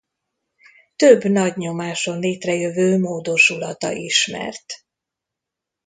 Több nagy nyomáson létrejövő módosulata ismert.